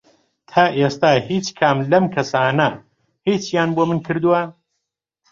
تا ئێستا هیچ کام لەم کەسانە هیچیان بۆ من کردووە؟